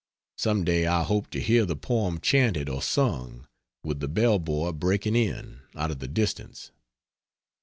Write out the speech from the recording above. Some day I hope to hear the poem chanted or sung with the bell buoy breaking in, out of the distance.